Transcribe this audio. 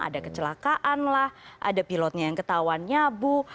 ada kecelakaan lah ada pilotnya yang ketahuan nyabu